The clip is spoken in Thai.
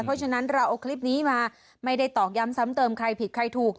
เพราะฉะนั้นเราเอาคลิปนี้มาไม่ได้ตอกย้ำซ้ำเติมใครผิดใครถูก